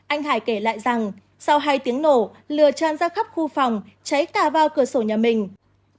anh hải kể lại rằng sau hai tiếng nổ lửa tràn ra khắp khu phòng cháy cả vào cửa sổ nhà mình